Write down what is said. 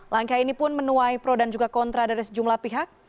langkah ini pun menuai pro dan juga kontra dari sejumlah pihak